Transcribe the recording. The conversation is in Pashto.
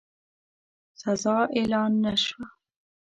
سزا اعلان نه شوه.